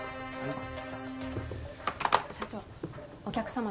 社長お客様です。